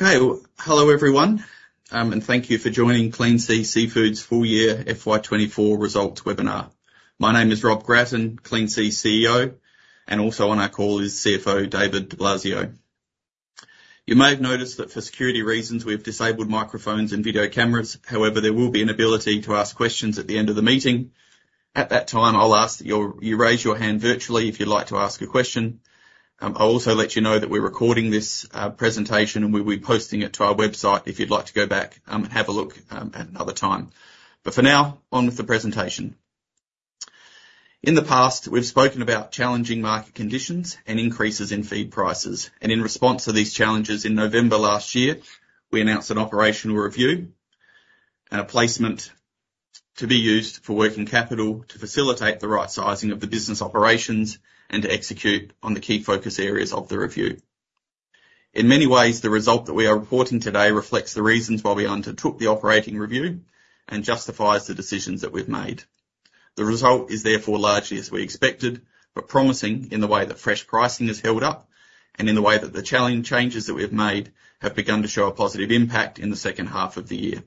Okay, well, hello everyone, and thank you for joining Clean Seas Seafood's Full Year FY24 Results Webinar. My name is Rob Gratton, Clean Seas' CEO, and also on our call is CFO, David Di Blasio. You may have noticed that for security reasons, we've disabled microphones and video cameras. However, there will be an ability to ask questions at the end of the meeting. At that time, I'll ask that you raise your hand virtually if you'd like to ask a question. I'll also let you know that we're recording this presentation, and we'll be posting it to our website if you'd like to go back and have a look at another time. But for now, on with the presentation. In the past, we've spoken about challenging market conditions and increases in feed prices, and in response to these challenges in November last year, we announced an operating review and a placement to be used for working capital to facilitate the right sizing of the business operations and to execute on the key focus areas of the review. In many ways, the result that we are reporting today reflects the reasons why we undertook the operating review and justifies the decisions that we've made. The result is therefore largely as we expected, but promising in the way that fresh pricing has held up, and in the way that the changes that we've made have begun to show a positive impact in the second half of the year.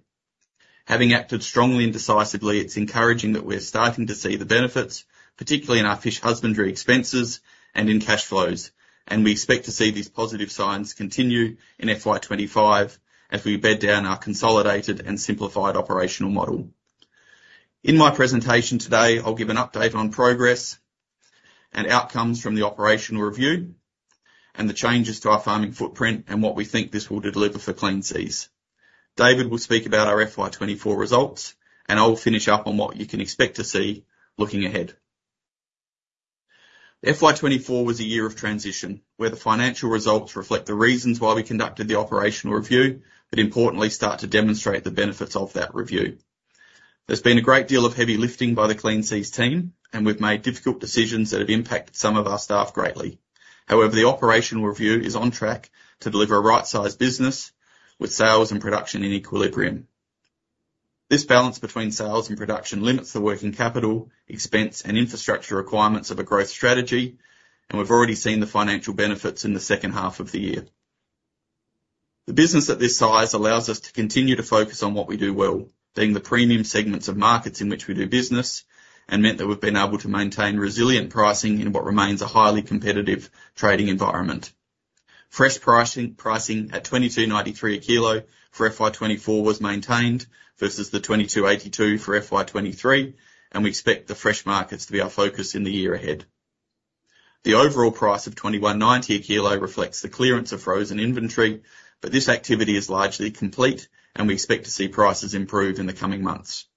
Having acted strongly and decisively, it's encouraging that we're starting to see the benefits, particularly in our fish husbandry expenses and in cash flows, and we expect to see these positive signs continue in FY25 as we bed down our consolidated and simplified operational model. In my presentation today, I'll give an update on progress and outcomes from the operational review, and the changes to our farming footprint, and what we think this will deliver for Clean Seas. David will speak about our FY24 results, and I will finish up on what you can expect to see looking ahead. FY24 was a year of transition, where the financial results reflect the reasons why we conducted the operational review, but importantly start to demonstrate the benefits of that review. There's been a great deal of heavy lifting by the Clean Seas team, and we've made difficult decisions that have impacted some of our staff greatly. However, the operational review is on track to deliver a right-sized business with sales and production in equilibrium. This balance between sales and production limits the working capital, expense, and infrastructure requirements of a growth strategy, and we've already seen the financial benefits in the second half of the year. The business at this size allows us to continue to focus on what we do well, being the premium segments of markets in which we do business, and meant that we've been able to maintain resilient pricing in what remains a highly competitive trading environment. Fresh pricing, pricing at 22.93 a kilo for FY24 was maintained, versus the 22.82 for FY23, and we expect the fresh markets to be our focus in the year ahead. The overall price of 21.90 a kilo reflects the clearance of frozen inventory, but this activity is largely complete, and we expect to see prices improve in the coming months.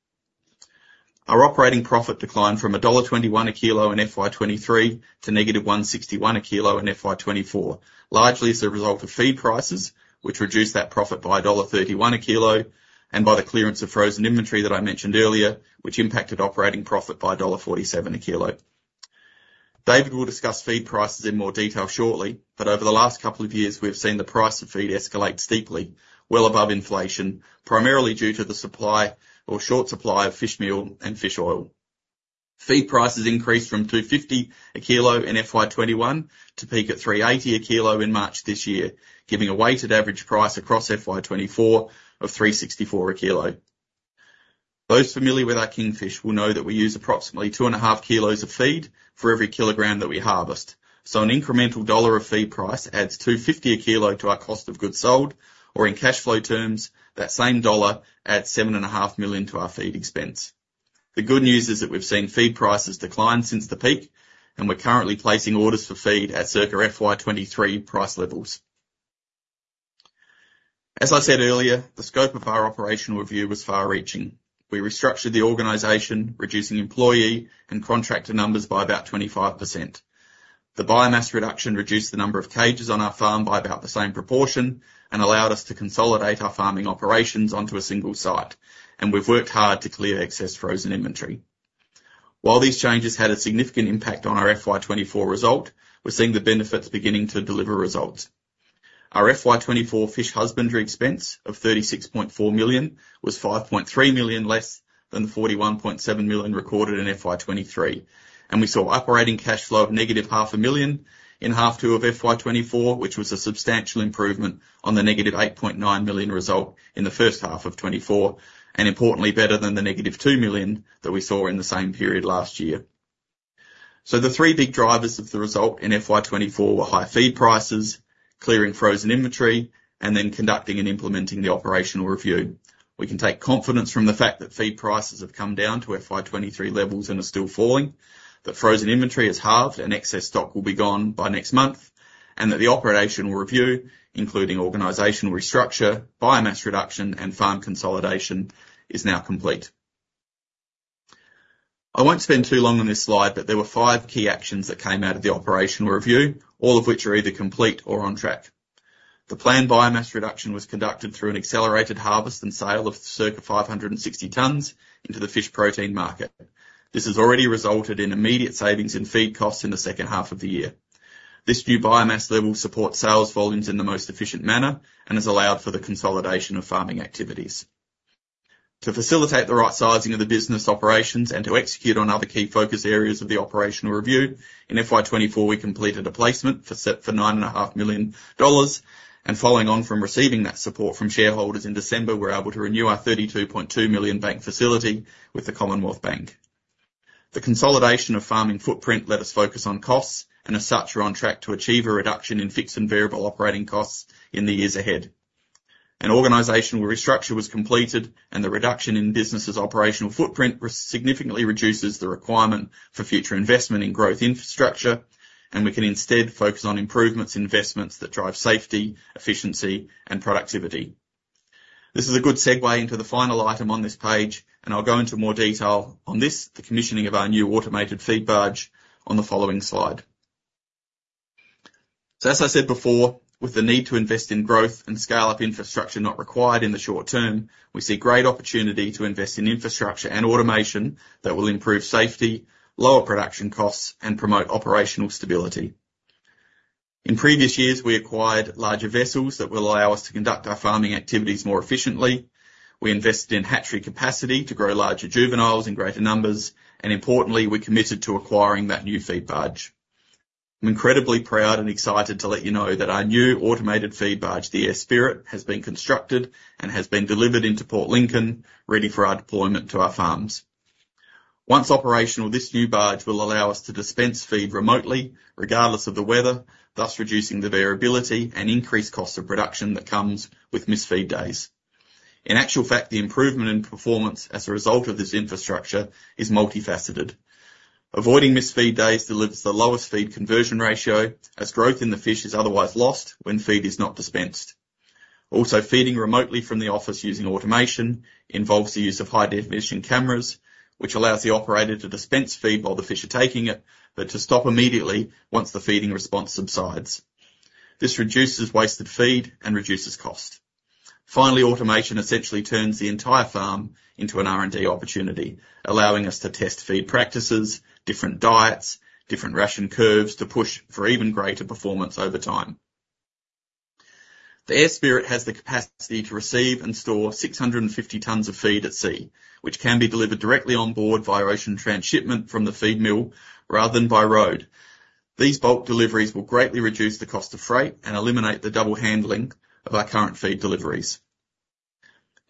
Our operating profit declined from dollar 1.21 a kilo in FY23 to negative 1.61 a kilo in FY24. Largely as a result of feed prices, which reduced that profit by dollar 1.31 a kilo, and by the clearance of frozen inventory that I mentioned earlier, which impacted operating profit by dollar 1.47 a kilo. David will discuss feed prices in more detail shortly, but over the last couple of years, we've seen the price of feed escalate steeply, well above inflation, primarily due to the supply or short supply of fishmeal and fish oil. Feed prices increased from 2.50 a kilo in FY21, to peak at 3.80 a kilo in March this year, giving a weighted average price across FY24 of 3.64 a kilo. Those familiar with our kingfish will know that we use approximately 2.5 kilos of feed for every kilogram that we harvest. So an incremental dollar of feed price adds 2.50 a kilo to our cost of goods sold, or in cashflow terms, that same dollar adds 7.5 million to our feed expense. The good news is that we've seen feed prices decline since the peak, and we're currently placing orders for feed at circa FY23 price levels. As I said earlier, the scope of our operational review was far-reaching. We restructured the organization, reducing employee and contractor numbers by about 25%. The biomass reduction reduced the number of cages on our farm by about the same proportion, and allowed us to consolidate our farming operations onto a single site, and we've worked hard to clear excess frozen inventory. While these changes had a significant impact on our FY24 result, we're seeing the benefits beginning to deliver results. Our FY24 fish husbandry expense of 36.4 million was 5.3 million less than the 41.7 million recorded in FY23, and we saw operating cash flow of negative 0.5 million in half two of FY24, which was a substantial improvement on the negative 8.9 million result in the first half of 2024, and importantly, better than the negative 2 million that we saw in the same period last year. So the three big drivers of the result in FY24 were high feed prices, clearing frozen inventory, and then conducting and implementing the operational review. We can take confidence from the fact that feed prices have come down to FY23 levels and are still falling, that frozen inventory is halved and excess stock will be gone by next month, and that the operational review, including organizational restructure, biomass reduction, and farm consolidation, is now complete. I won't spend too long on this slide, but there were five key actions that came out of the operational review, all of which are either complete or on track. The planned biomass reduction was conducted through an accelerated harvest and sale of circa 560 tons into the fish protein market. This has already resulted in immediate savings in feed costs in the second half of the year. This new biomass level will support sales volumes in the most efficient manner and has allowed for the consolidation of farming activities. To facilitate the right sizing of the business operations and to execute on other key focus areas of the operational review, in FY24, we completed a placement of 9.5 million dollars, and following on from receiving that support from shareholders in December, we're able to renew our 32.2 million bank facility with the Commonwealth Bank. The consolidation of farming footprint let us focus on costs, and as such, we're on track to achieve a reduction in fixed and variable operating costs in the years ahead. An organizational restructure was completed, and the reduction in the business's operational footprint significantly reduces the requirement for future investment in growth infrastructure, and we can instead focus on improvements in investments that drive safety, efficiency, and productivity. This is a good segue into the final item on this page, and I'll go into more detail on this, the commissioning of our new automated feed barge, on the following slide. So as I said before, with the need to invest in growth and scale up infrastructure not required in the short term, we see great opportunity to invest in infrastructure and automation that will improve safety, lower production costs, and promote operational stability. In previous years, we acquired larger vessels that will allow us to conduct our farming activities more efficiently. We invested in hatchery capacity to grow larger juveniles in greater numbers, and importantly, we committed to acquiring that new feed barge. I'm incredibly proud and excited to let you know that our new automated feed barge, the Eyre Spirit, has been constructed and has been delivered into Port Lincoln, ready for our deployment to our farms. Once operational, this new barge will allow us to dispense feed remotely, regardless of the weather, thus reducing the variability and increased cost of production that comes with missed feed days. In actual fact, the improvement in performance as a result of this infrastructure is multifaceted. Avoiding missed feed days delivers the lowest feed conversion ratio, as growth in the fish is otherwise lost when feed is not dispensed. Also, feeding remotely from the office using automation involves the use of high-definition cameras, which allows the operator to dispense feed while the fish are taking it, but to stop immediately once the feeding response subsides. This reduces wasted feed and reduces cost. Finally, automation essentially turns the entire farm into an R&D opportunity, allowing us to test feed practices, different diets, different ration curves to push for even greater performance over time. The Eyre Spirit has the capacity to receive and store 650 tons of feed at sea, which can be delivered directly on board via ocean transshipment from the feed mill rather than by road. These bulk deliveries will greatly reduce the cost of freight and eliminate the double handling of our current feed deliveries.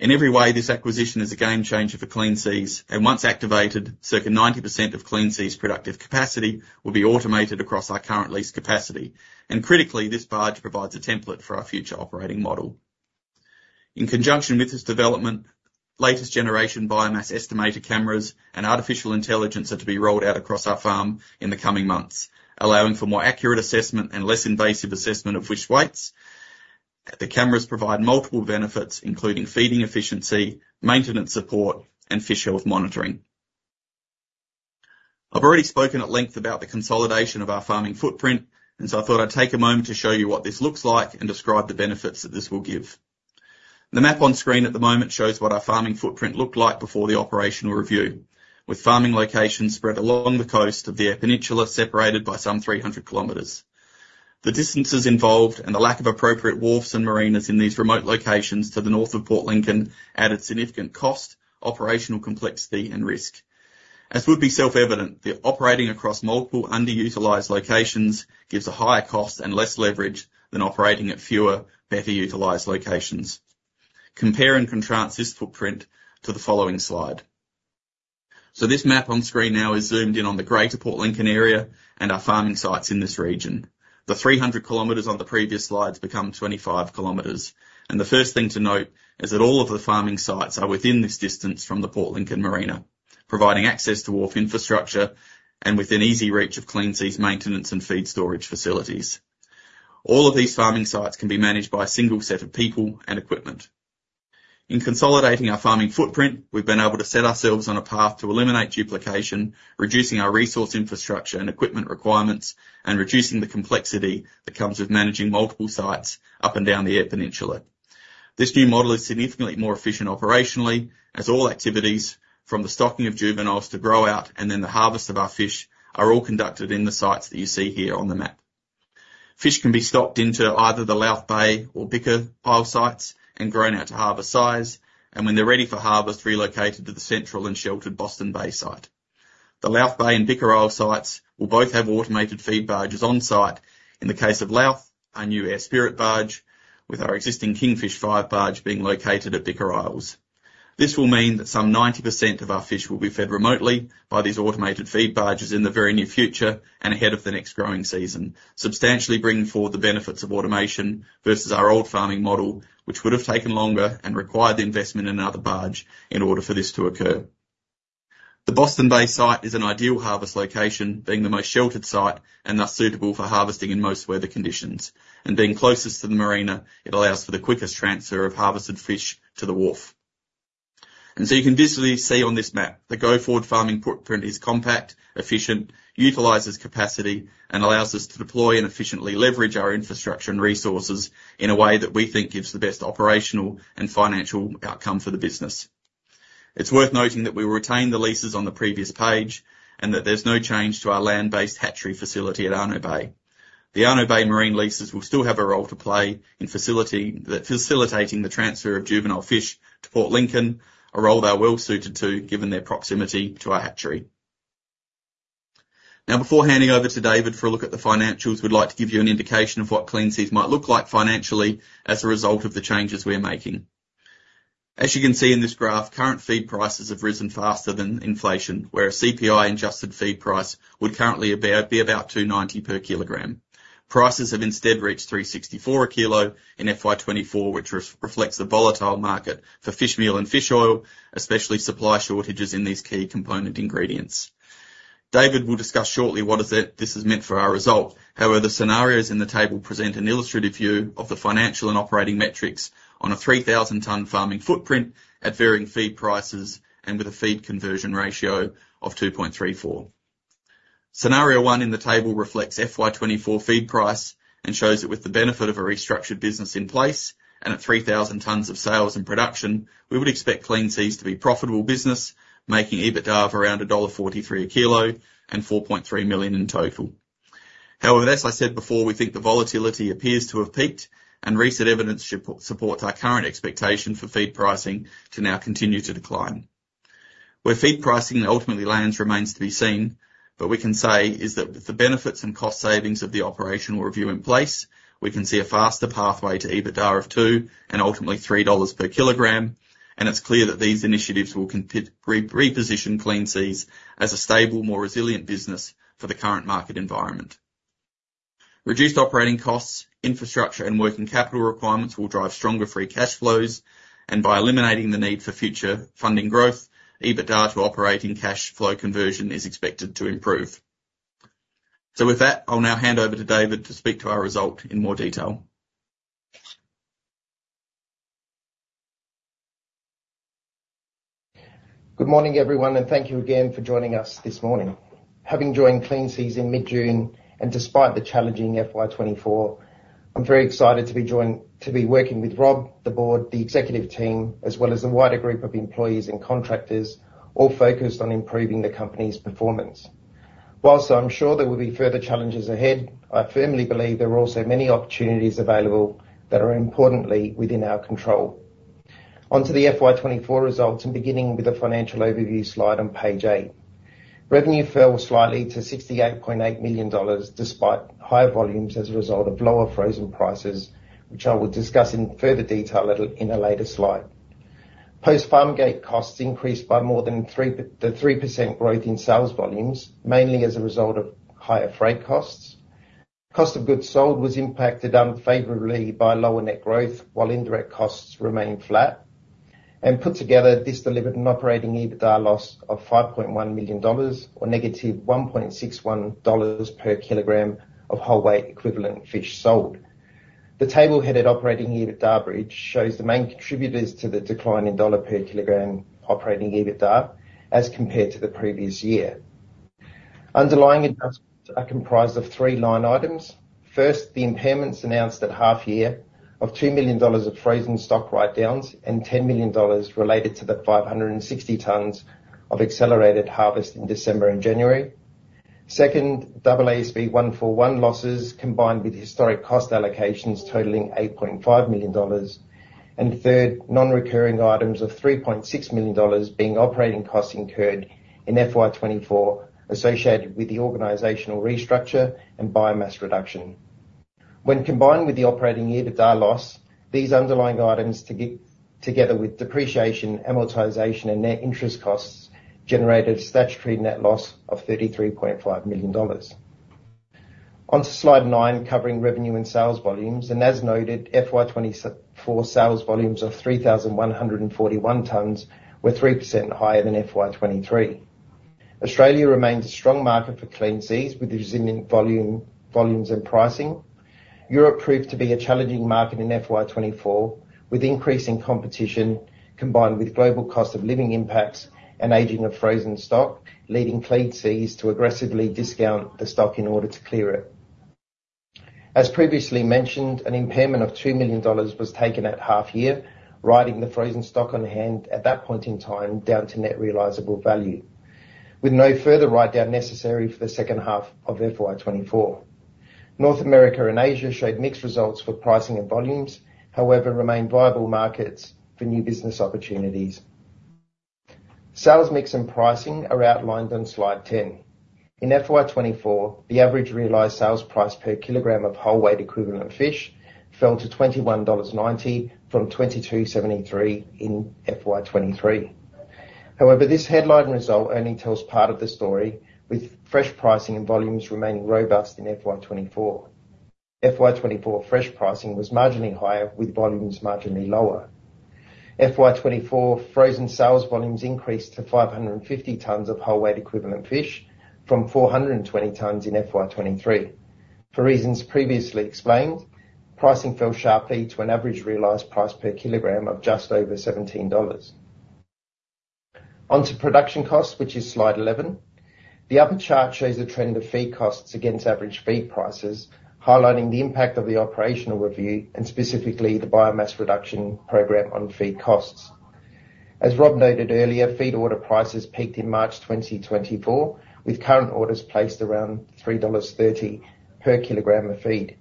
In every way, this acquisition is a game changer for Clean Seas, and once activated, circa 90% of Clean Seas' productive capacity will be automated across our current lease capacity, and critically, this barge provides a template for our future operating model. In conjunction with this development, latest generation biomass estimator cameras and artificial intelligence are to be rolled out across our farm in the coming months, allowing for more accurate assessment and less invasive assessment of fish weights. The cameras provide multiple benefits, including feeding efficiency, maintenance, support, and fish health monitoring. I've already spoken at length about the consolidation of our farming footprint, and so I thought I'd take a moment to show you what this looks like and describe the benefits that this will give. The map on screen at the moment shows what our farming footprint looked like before the operational review, with farming locations spread along the coast of the Eyre Peninsula, separated by some 300 kilometers. The distances involved and the lack of appropriate wharves and marinas in these remote locations to the north of Port Lincoln, added significant cost, operational complexity, and risk. As would be self-evident, the operating across multiple underutilized locations gives a higher cost and less leverage than operating at fewer, better-utilized locations. Compare and contrast this footprint to the following slide. This map on screen now is zoomed in on the greater Port Lincoln area and our farming sites in this region. The 300 km on the previous slides become 25 km, and the first thing to note is that all of the farming sites are within this distance from the Port Lincoln Marina, providing access to wharf infrastructure and within easy reach of Clean Seas maintenance and feed storage facilities. All of these farming sites can be managed by a single set of people and equipment. In consolidating our farming footprint, we've been able to set ourselves on a path to eliminate duplication, reducing our resource, infrastructure, and equipment requirements, and reducing the complexity that comes with managing multiple sites up and down the Eyre Peninsula. This new model is significantly more efficient operationally, as all activities, from the stocking of juveniles to grow-out, and then the harvest of our fish, are all conducted in the sites that you see here on the map. Fish can be stocked into either the Louth Bay or Bicker Isles sites and grown out to harvest size, and when they're ready for harvest, relocated to the central and sheltered Boston Bay site. The Louth Bay and Bicker Isles sites will both have automated feed barges on site. In the case of Louth, our new Eyre Spirit barge, with our existing Kingfish 5 barge being located at Bicker Isles. This will mean that some 90% of our fish will be fed remotely by these automated feed barges in the very near future and ahead of the next growing season, substantially bringing forward the benefits of automation versus our old farming model, which would have taken longer and required the investment in another barge in order for this to occur. The Boston Bay site is an ideal harvest location, being the most sheltered site and thus suitable for harvesting in most weather conditions, and being closest to the marina, it allows for the quickest transfer of harvested fish to the wharf, and so you can visually see on this map, the go-forward farming footprint is compact, efficient, utilizes capacity, and allows us to deploy and efficiently leverage our infrastructure and resources in a way that we think gives the best operational and financial outcome for the business. It's worth noting that we retained the leases on the previous page, and that there's no change to our land-based hatchery facility at Arno Bay. The Arno Bay marine leases will still have a role to play in facilitating the transfer of juvenile fish to Port Lincoln, a role they are well-suited to, given their proximity to our hatchery. Now, before handing over to David for a look at the financials, we'd like to give you an indication of what Clean Seas might look like financially as a result of the changes we're making. As you can see in this graph, current feed prices have risen faster than inflation, where a CPI-adjusted feed price would currently be about 2.90 per kilogram. Prices have instead reached 3.64 a kilo in FY24, which reflects the volatile market for fishmeal and fish oil, especially supply shortages in these key component ingredients. David will discuss shortly what this has meant for our result. However, the scenarios in the table present an illustrative view of the financial and operating metrics on a 3,000-ton farming footprint at varying feed prices and with a feed conversion ratio of 2.34. Scenario one in the table reflects FY24 feed price and shows that with the benefit of a restructured business in place, and at 3,000 tons of sales and production, we would expect Clean Seas to be a profitable business, making EBITDA of around dollar 1.43 a kilo and 4.3 million in total. However, as I said before, we think the volatility appears to have peaked, and recent evidence supports our current expectation for feed pricing to now continue to decline. Where feed pricing ultimately lands remains to be seen, but we can say is that with the benefits and cost savings of the operational review in place, we can see a faster pathway to EBITDA of 2 and ultimately 3 dollars per kilogram, and it's clear that these initiatives will reposition Clean Seas as a stable, more resilient business for the current market environment. Reduced operating costs, infrastructure, and working capital requirements will drive stronger free cash flows, and by eliminating the need for future funding growth, EBITDA to operating cash flow conversion is expected to improve. So with that, I'll now hand over to David to speak to our result in more detail. Good morning, everyone, and thank you again for joining us this morning. Having joined Clean Seas in mid-June, and despite the challenging FY24, I'm very excited to be working with Rob, the board, the executive team, as well as the wider group of employees and contractors, all focused on improving the company's performance. While I'm sure there will be further challenges ahead, I firmly believe there are also many opportunities available that are importantly within our control. Onto the FY24 results, and beginning with the financial overview slide on page 8. Revenue fell slightly to 68.8 million dollars, despite higher volumes as a result of lower frozen prices, which I will discuss in further detail in a later slide. Post-farm gate costs increased by more than 3% growth in sales volumes, mainly as a result of higher freight costs. Cost of goods sold was impacted unfavorably by lower net growth, while indirect costs remained flat, and put together, this delivered an operating EBITDA loss of 5.1 million dollars or negative 1.61 dollars per kilogram of whole weight equivalent fish sold. The table headed operating EBITDA Bridge shows the main contributors to the decline in dollar per kilogram operating EBITDA as compared to the previous year. Underlying adjustments are comprised of three line items. First, the impairments announced at half year of 2 million dollars of frozen stock write-downs and 10 million dollars related to the 560 tons of accelerated harvest in December and January. Second, AASB 141 losses, combined with historic cost allocations totaling 8.5 million dollars, and third, non-recurring items of 3.6 million dollars, being operating costs incurred in FY24, associated with the organizational restructure and biomass reduction. When combined with the operating EBITDA loss, these underlying items, together with depreciation, amortization, and net interest costs, generated a statutory net loss of 33.5 million dollars. On to slide 9, covering revenue and sales volumes, and as noted, FY24 sales volumes of 3,141 tons were 3% higher than FY23. Australia remains a strong market for Clean Seas, with resilient volumes and pricing. Europe proved to be a challenging market in FY24, with increasing competition combined with global cost of living impacts and aging of frozen stock, leading Clean Seas to aggressively discount the stock in order to clear it. As previously mentioned, an impairment of 2 million dollars was taken at half year, writing the frozen stock on hand at that point in time down to net realizable value, with no further write-down necessary for the second half of FY24. North America and Asia showed mixed results for pricing and volumes, however, remain viable markets for new business opportunities. Sales mix and pricing are outlined on Slide 10. In FY24, the average realized sales price per kilogram of whole weight equivalent fish fell to 21.90 dollars, from 22.73 in FY23. However, this headline result only tells part of the story, with fresh pricing and volumes remaining robust in FY24. FY24 fresh pricing was marginally higher, with volumes marginally lower. FY24 frozen sales volumes increased to 550 tons of whole weight equivalent fish, from 420 tons in FY23. For reasons previously explained, pricing fell sharply to an average realized price per kilogram of just over 17 dollars. Onto production costs, which is slide 11. The upper chart shows the trend of feed costs against average feed prices, highlighting the impact of the operational review and specifically the biomass reduction program on feed costs. As Rob noted earlier, feed order prices peaked in March 2024, with current orders placed around 3.30 dollars per kilogram of feed.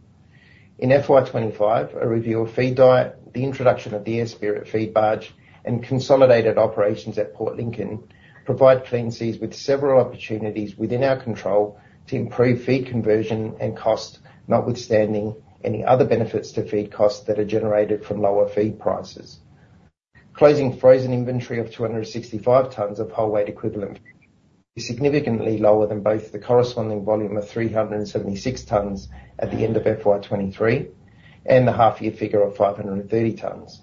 In FY25, a review of feed diet, the introduction of the Eyre Spirit feed barge, and consolidated operations at Port Lincoln provide Clean Seas with several opportunities within our control to improve feed conversion and cost, notwithstanding any other benefits to feed costs that are generated from lower feed prices. Closing frozen inventory of 265 tons of whole weight equivalent is significantly lower than both the corresponding volume of 376 tons at the end of FY23, and the half-year figure of 530 tons.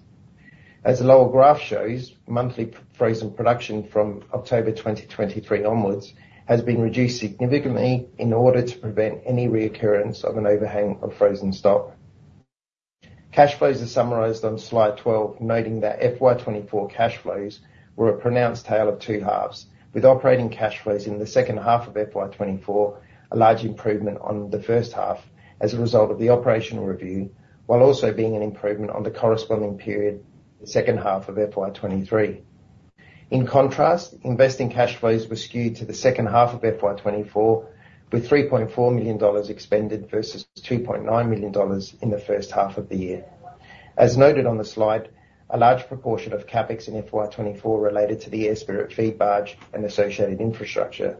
As the lower graph shows, monthly frozen production from October 2023 onwards, has been reduced significantly in order to prevent any reoccurrence of an overhang of frozen stock. Cash flows are summarized on slide 12, noting that FY24 cash flows were a pronounced tale of two halves, with operating cash flows in the second half of FY24, a large improvement on the first half as a result of the operational review, while also being an improvement on the corresponding period, the second half of FY23. In contrast, investing cash flows were skewed to the second half of FY24, with 3.4 million dollars expended versus 2.9 million dollars in the first half of the year. As noted on the slide, a large proportion of CapEx in FY24 related to the Eyre Spirit feed barge and associated infrastructure.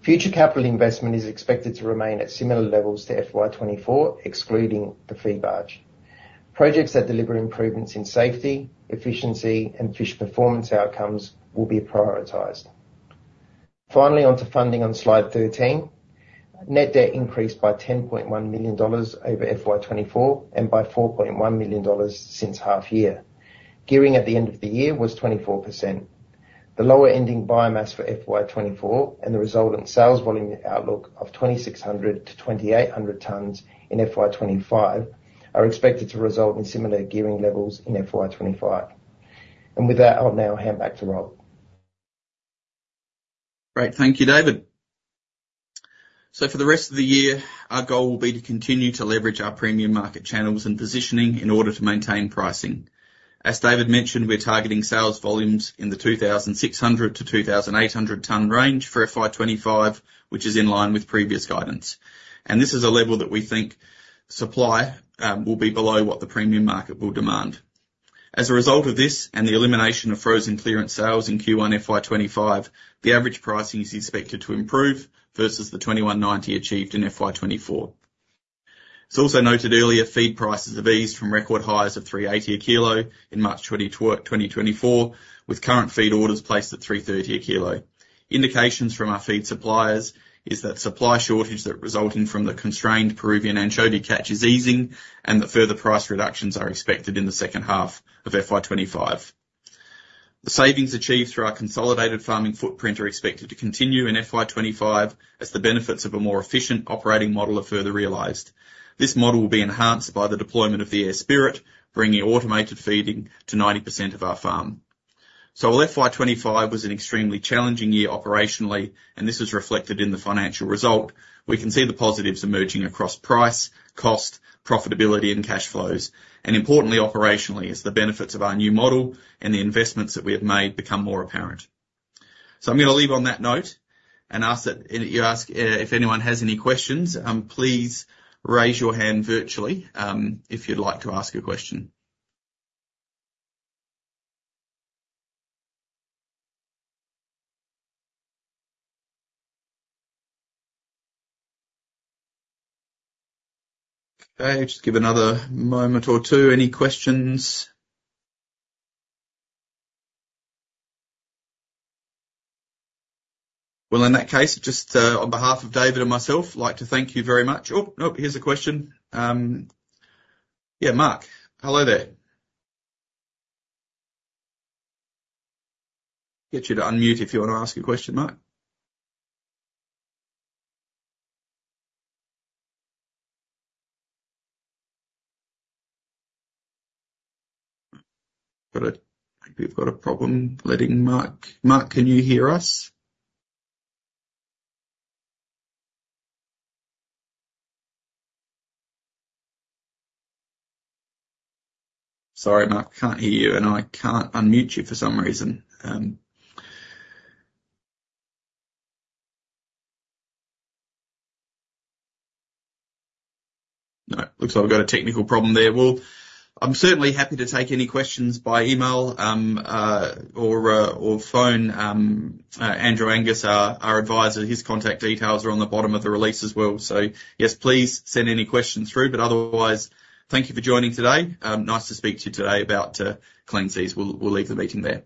Future capital investment is expected to remain at similar levels to FY24, excluding the feed barge. Projects that deliver improvements in safety, efficiency, and fish performance outcomes will be prioritized. Finally, onto funding on slide 13. Net debt increased by 10.1 million dollars over FY24, and by 4.1 million dollars since half year. Gearing at the end of the year was 24%. The lower ending biomass for FY24, and the resultant sales volume outlook of 2,600 to 2,800 tons in FY25, are expected to result in similar gearing levels in FY25. And with that, I'll now hand back to Rob. Great. Thank you, David, so for the rest of the year, our goal will be to continue to leverage our premium market channels and positioning in order to maintain pricing. As David mentioned, we're targeting sales volumes in the 2,600-2,800 ton range for FY25, which is in line with previous guidance, and this is a level that we think supply will be below what the premium market will demand. As a result of this, and the elimination of frozen clearance sales in Q1 FY25, the average pricing is expected to improve versus the 21.90 achieved in FY24. It's also noted earlier, feed prices have eased from record highs of 380 a kilo in March 2024, with current feed orders placed at 330 a kilo. Indications from our feed suppliers is that supply shortage that resulting from the constrained Peruvian anchovy catch is easing, and that further price reductions are expected in the second half of FY25. The savings achieved through our consolidated farming footprint are expected to continue in FY25, as the benefits of a more efficient operating model are further realized. This model will be enhanced by the deployment of the Eyre Spirit, bringing automated feeding to 90% of our farm. So while FY25 was an extremely challenging year operationally, and this is reflected in the financial result, we can see the positives emerging across price, cost, profitability, and cash flows, and importantly, operationally, as the benefits of our new model and the investments that we have made become more apparent. So I'm gonna leave on that note and ask that.. If you ask, if anyone has any questions, please raise your hand virtually, if you'd like to ask a question. Okay, just give it another moment or two. Any questions? Well, in that case, just, on behalf of David and myself, I'd like to thank you very much. Oh, nope, here's a question. Yeah, Mark, hello there. Get you to unmute if you want to ask a question, Mark. We've got a problem letting Mark... Mark, can you hear us? Sorry, Mark. I can't hear you, and I can't unmute you for some reason. No, it looks like we've got a technical problem there. Well, I'm certainly happy to take any questions by email, or phone, Andrew Angus, our advisor, his contact details are on the bottom of the release as well. So yes, please send any questions through, but otherwise, thank you for joining today. Nice to speak to you today about Clean Seas. We'll leave the meeting there.